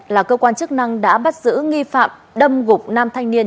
là cơ quan chức năng đã bắt giữ nghi phạm đâm gục nam thanh niên